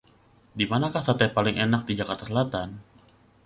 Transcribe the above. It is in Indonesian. Dimanakah sate paling enak di Jakarta Selatan?